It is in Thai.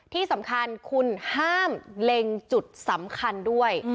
ที่สำคัญคุณห้ามเล็งจุดสำคัญด้วย